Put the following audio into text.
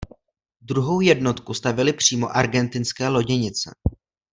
Druhou jednotku stavěly přímo argentinské loděnice.